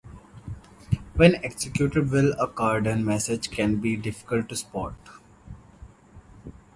When executed well, a Cardan message can be difficult to spot.